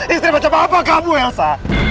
istri macam apa kamu elsa